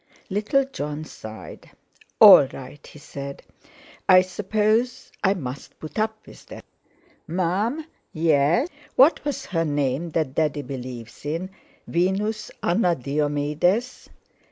Little Jon sighed, "All right!" he said: "I suppose I must put up with that. Mum?" "Yes?" "What was her name that Daddy believes in? Venus Anna Diomedes?"